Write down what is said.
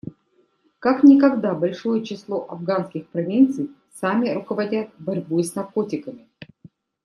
Как никогда большое число афганских провинций сами руководят борьбой с наркотиками.